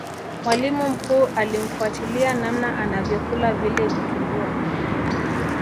mwalimu mkuu alimfuatilia namna anavyokula vile vitumbua